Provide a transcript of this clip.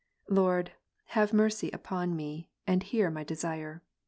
4. Lord, have mercy upon me, and hear my desire.